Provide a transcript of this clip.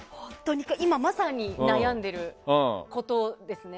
今、まさに悩んでることですね。